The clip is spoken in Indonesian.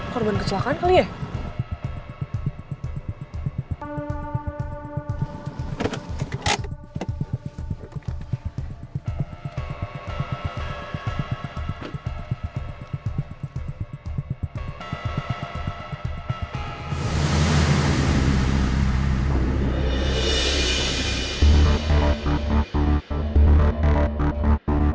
korban kecelakaan kali ya